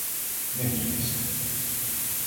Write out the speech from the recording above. — Не бійтеся.